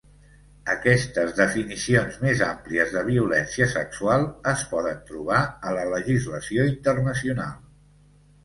Aquestes definicions més àmplies de violència sexual es poden trobar a la legislació internacional.